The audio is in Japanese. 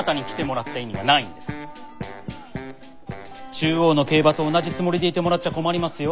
中央の競馬と同じつもりでいてもらっちゃ困りますよ。